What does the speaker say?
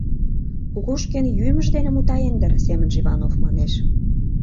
Кукушкин йӱмыж дене мутаен дыр, — семынже Иванов манеш.